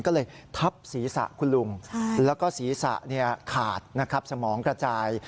ก็เลยทับศีรษะคุณลุงและศีรษะขาดสมองกระจาย